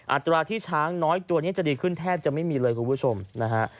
อัตราที่ช้างน้อยตัวนี้จะดีขึ้นแทบจะไม่มีเลยคุณผู้ชมนะฮะ